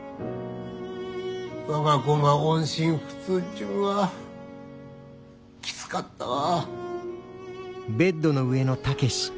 我が子が音信不通っちゅうんはきつかったわ。